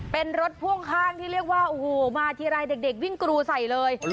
เป็นรถพ่วงข้างที่เรียกว่าโอ้โหมาทีไรเด็กวิ่งกรูใส่เลย